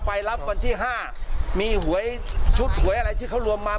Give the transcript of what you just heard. ไปรับวันที่๕มีหวยชุดหวยอะไรที่เขารวมมา